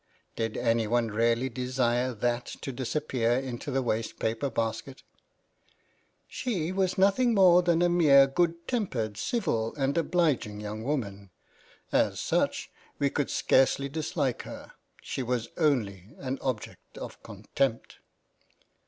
Did anyone really desire that to disappear into the waste paper basket ?" She was nothing more than a mere good tempered, civil and obliging young woman ; as such we could scarcely dis like her — she was only an object of contempt."